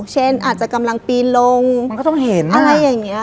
อาจจะกำลังปีนลงมันก็ต้องเห็นอะไรอย่างนี้